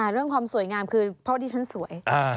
เรื่องความสวยงามคือเพราะว่าดิฉันสวย